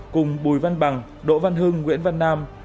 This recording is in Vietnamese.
cùng bùi văn bằng đỗ văn hưng nguyễn văn nam